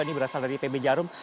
ini berasal dari pb jarum